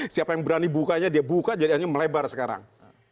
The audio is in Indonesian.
siapa yang berani bukanya dia buka jadinya melebar sekarang